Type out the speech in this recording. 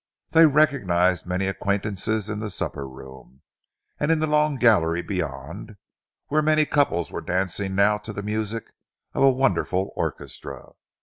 They recognised many acquaintances in the supper room, and in the long gallery beyond, where many couples were dancing now to the music of a wonderful orchestra.